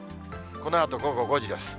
このあと午後５時です。